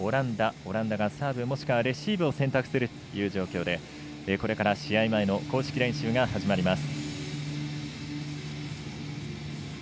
オランダがサーブもしくはレシーブを選択するという状況でこれから試合前の公式練習が始まります。